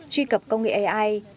truy cập công nghệ ai